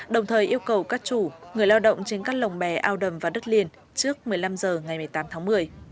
đồng thời yêu cầu các chủ người lao động trên các lồng bè ao đầm và đất liền trước một mươi năm h ngày một mươi tám tháng một mươi